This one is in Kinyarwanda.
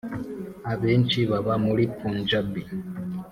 abenshi baba muri punjabi.